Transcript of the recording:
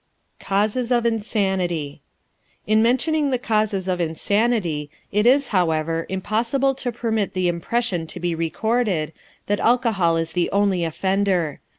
CAUSES OF INSANITY In mentioning the causes of insanity, it is, however, impossible to permit the impression to be recorded that alcohol is the only offender.